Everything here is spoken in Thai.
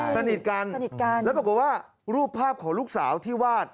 สนิทกันสนิทกันแล้วปรากฏว่ารูปภาพของลูกสาวที่วาด